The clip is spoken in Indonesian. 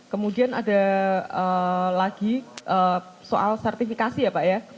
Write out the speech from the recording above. kemudian ada lagi soal sertifikasi ya pak ya